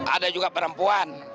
ada juga perempuan